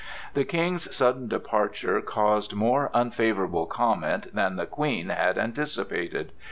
The King's sudden departure caused more unfavorable comment than the Queen had anticipated.